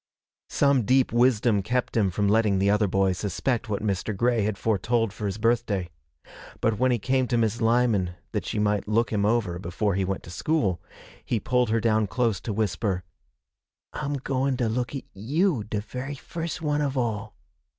Some deep wisdom kept him from letting the other boys suspect what Mr. Grey had foretold for his birthday; but when he came to Miss Lyman that she might look him over before he went to school, he pulled her down close to whisper, 'I'm goin' to look at you de very first one of all.'